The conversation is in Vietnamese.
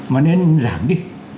mà nên giảm đi